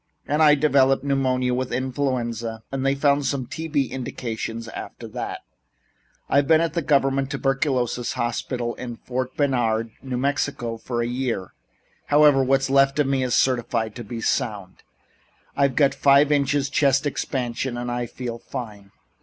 And I developed pneumonia with influenza and they found some T.B. indications after that. I've been at the government tuberculosis hospital at Fort Bayard, New Mexico, for a year. However, what's left of me is certified to be sound. I've got five inches chest expansion and I feel fine."